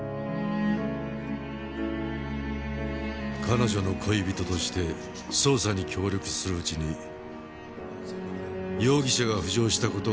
彼女の恋人として捜査に協力するうちに容疑者が浮上した事を聞かされました。